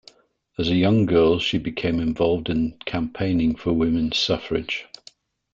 As a young girl, she became involved in campaigning for women's suffrage.